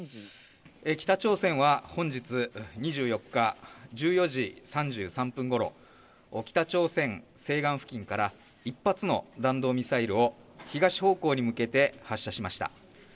北朝鮮は本日、２４日１４時３３分ごろ、北朝鮮西岸付近から１発の弾道ミサイルを東方向に向けて発射しました。